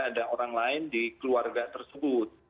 ada orang lain di keluarga tersebut